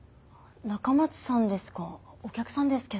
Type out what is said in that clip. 中松さんですか？